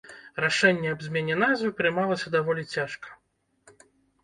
Рашэнне аб змене назвы прымалася даволі цяжка.